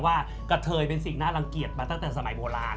กระเทยเป็นสิ่งน่ารังเกียจมาตั้งแต่สมัยโบราณ